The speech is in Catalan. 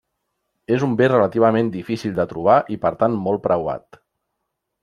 És un bé relativament difícil de trobar i per tant molt preuat.